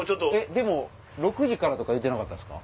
でも６時からとか言うてなかったですか？